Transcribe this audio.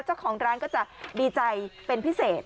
เจ้าของร้านก็จะดีใจเป็นพิเศษ